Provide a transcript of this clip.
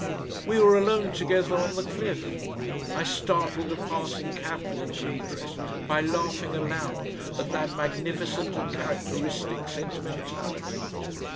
We were alone together on the cliff! I startled a passing cabman into interest by laughing aloud at that magnificent and characteristic sentimentality.